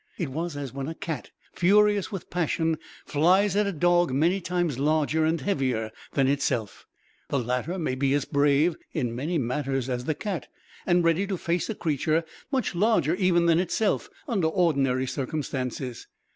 It was as when a cat, furious with passion, flies at a dog many times larger and heavier than itself. The latter may be as brave, in many matters, as the cat; and ready to face a creature much larger even than itself, under ordinary circumstances.